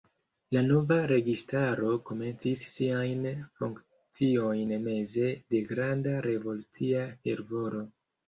La nova registaro komencis siajn funkciojn meze de granda revolucia fervoro.